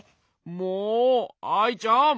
もうアイちゃん！